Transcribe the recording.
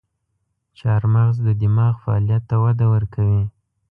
چارمغز د دماغ فعالیت ته وده ورکوي.